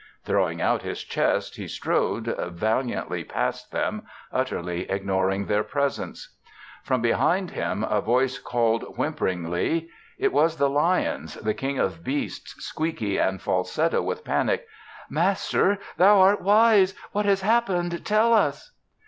Throwing out his chest, he strode valiantly past them, utterly ignoring their presence. From behind him a voice called whimperingly. It was the lion's, the King of Beasts, squeaky and falsetto with panic. "Master, thou art wise. What has happened? Tell us."